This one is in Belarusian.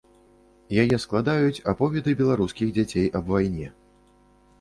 Яе складаюць аповеды беларускіх дзяцей аб вайне.